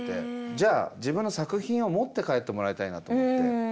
じゃあ自分の作品を持って帰ってもらいたいなと思って。